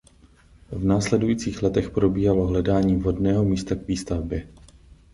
V následujících letech probíhalo hledání vhodného místa k výstavbě.